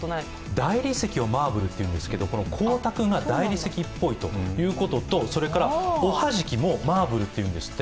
大理石をマーブルっていうんですけど、光沢が大理石っぽいというのとそれからおはじきもマーブルって言うんですって。